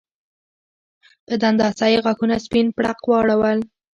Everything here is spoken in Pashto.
په دنداسه یې غاښونه سپین پړق واړول